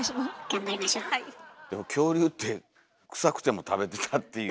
でも恐竜ってクサくても食べてたっていう。